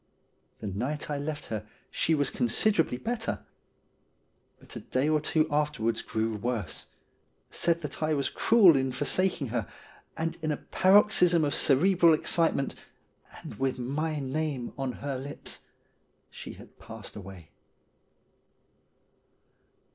The night I left her she was considerably better ; but a day or two afterwards grew worse, said that I was cruel in forsaking her, and in a paroxysm of cerebral ex citement, and with my name on her lips, she had passed away.